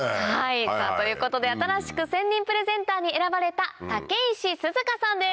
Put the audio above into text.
さぁということで新しく専任プレゼンターに選ばれた武石鈴香さんです！